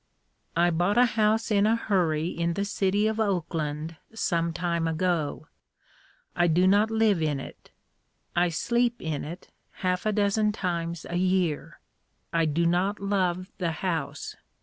I bought a house in a hurry in the city of Oakland some time ago. I do not live in it. I sleep in it half a dozen times a year. I do not love the house.